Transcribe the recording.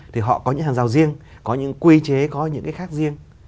thì họ có những hàng rào riêng có những quy chế có những cái khác riêng